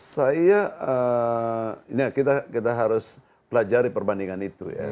saya kita harus belajar perbandingan itu ya